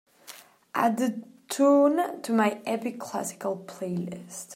Add the tune to my Epic Classical playlist.